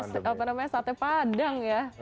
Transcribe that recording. bisa masak apa namanya sate padang ya